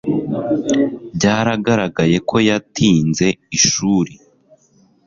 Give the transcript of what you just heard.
Byaragaragaye ko yatinze ishuri